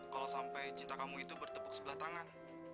kalau sampai cinta kamu itu bertepuk sebelah tangan